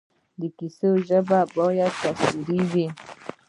د کیسو ژبه باید تصویري وي.